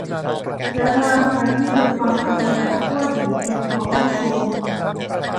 และพลังงานให้มีความทันสมัย ทั่วถึง เพียงพอ มั่นคง